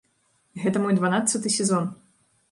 Гэта мой дванаццаты сезон.